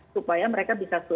supaya mereka bisa bertahan